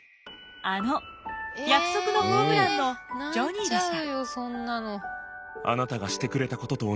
あの「約束のホームラン」のジョニーでした。